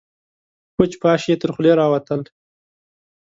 پوچ، پاش يې تر خولې راوتل.